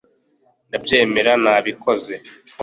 ndabyemera, nabikoze